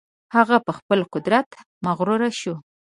هغه په خپل قدرت مغرور شو.